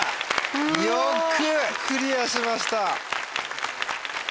よくクリアしました。